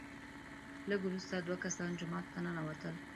لږ وروسته دوه کسان جومات ته ننوتل،